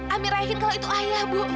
amirah yakin kalau itu ayah bu